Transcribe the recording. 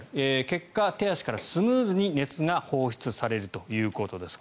結果、手足からスムーズに熱が放出されるということです。